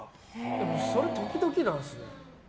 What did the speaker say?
でも、それ時々なんですよ。